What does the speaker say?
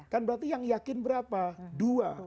kan berarti yang yakin berapa dua